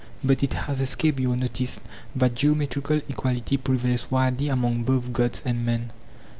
But it has escaped your notice that geometrical equality prevails widely among both gods and men.